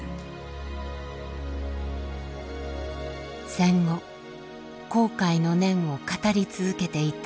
戦後後悔の念を語り続けていた初恵さん。